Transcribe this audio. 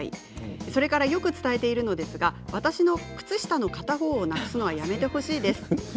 それからよく伝えているのですが私の靴下の片方をなくすのはやめてほしいです。